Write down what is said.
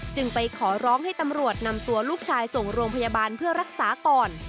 จึงไปขอร้องให้ตำรวจนำตัวลูกชายส่งโรงพยาบาลเพื่อรักษาก่อน